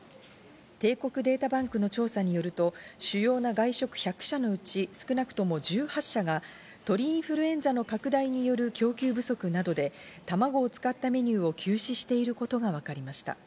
帝国データバンクの調査によると、主要な外食１００社のうち、少なくとも１８社が、鳥インフルエンザの拡大による供給不足などでたまごを使ったメニューを休止していることがわかりました。